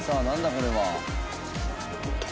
これは。